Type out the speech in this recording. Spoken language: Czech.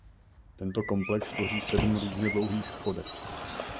Tento komplex tvoří sedm různě dlouhých chodeb.